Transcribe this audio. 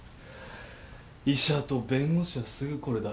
医者と弁護士はすぐこれだ。